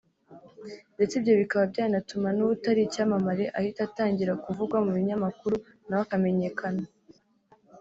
ndetse ibyo bikaba byanatuma n’uwo utari icyamamare ahita atangira kuvugwa mu binyamakuru nawe akamenyekana